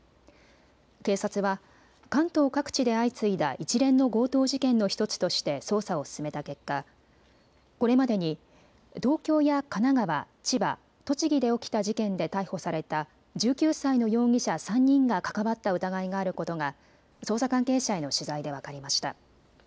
警察は関東各地で相次いだ一連の強盗事件の１つとして捜査を進めた結果、これまでに東京や神奈川、千葉、栃木で起きた事件で逮捕された１９歳の容疑者３人が関わった疑いがあることが捜査関係者への取材で分かりました。